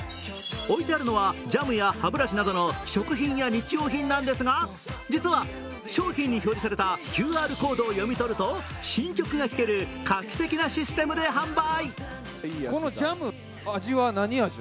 置いてあるのはジャムや歯ブラシなどの食品や日用品なんですが実は商品に表示されたＱＲコードを読み取ると、新曲が聴ける画期的なシステムで販売。